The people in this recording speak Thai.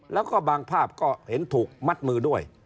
แล้วก็บางภาพก็เห็นถูกมัดมือด้วย